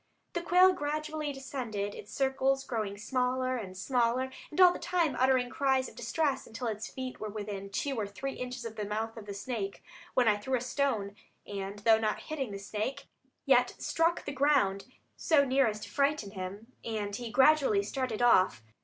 The quail gradually descended, its circles growing smaller and smaller and all the time uttering cries of distress, until its feet were within two or three inches of the mouth of the snake; when I threw a stone, and though not hitting the snake, yet struck the ground so near as to frighten him, and he gradually started off.